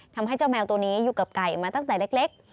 ทำให้เจ้าแมวตัวนี้อยู่กับไก่มาตั้งแต่เล็ก